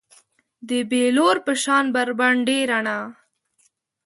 د بیلور په شان بربنډې رڼا